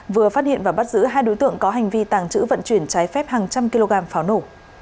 vừa phát hiện và bắt giữ hai đối tượng có hành vi tàng trữ vận chuyển trái phép hàng trăm kg pháo nổ